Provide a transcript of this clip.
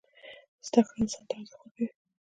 زدکړه انسان ته ارزښت ورکوي.